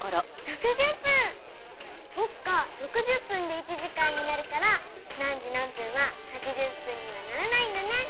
そっか６０分で１時間になるから何時何分は８０分にはならないんだね。